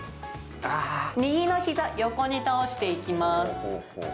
右のひざ、横に倒していきます。